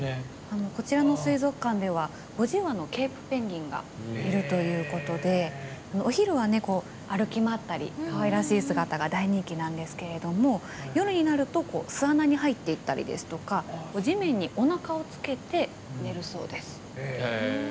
こちらの水族館では５０羽のケープペンギンがいるということでお昼は歩き回ったりかわいらしい姿が大人気なんですけど夜になると巣穴に入っていったりですとか地面におなかをつけて寝るそうです。